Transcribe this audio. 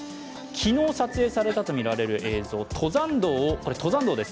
昨日撮影されたとみられる映像、登山道です。